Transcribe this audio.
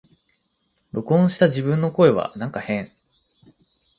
録音した自分の声はなんか変